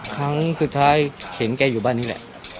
ครั้งสุดท้ายเห็นแกอยู่บ้านนี้แหละ